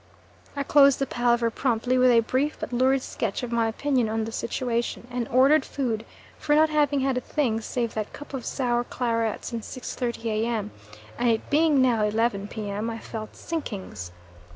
I closed the palaver promptly with a brief but lurid sketch of my opinion on the situation, and ordered food, for not having had a thing save that cup of sour claret since 6.30 A.M., and it being now 11 P.M., I felt sinkings.